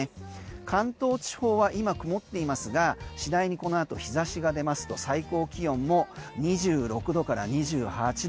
関東地方は今曇っていますが次第にこのあと日差しが出ますと最高気温も２６度から２８度。